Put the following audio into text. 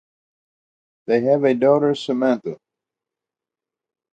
They have a daughter Samantha.